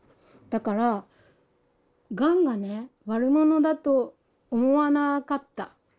だからがんがね悪者だと思わなかった。